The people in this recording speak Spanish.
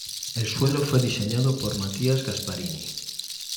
El suelo fue diseñado por Matías Gasparini.